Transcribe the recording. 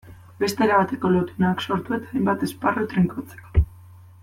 Beste erabateko lotuneak sortu eta hainbat esparru trinkotzeko.